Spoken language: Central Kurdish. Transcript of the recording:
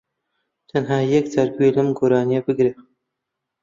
تەنھا یەکجار گوێ لەم گۆرانیە بگرە